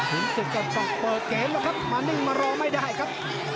ศึกก็ต้องเปิดเกมแล้วครับมานิ่งมารอไม่ได้ครับ